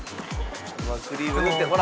生クリーム塗ってほら！